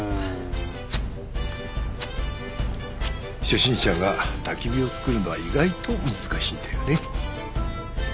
初心者が焚き火を作るのは意外と難しいんだよね。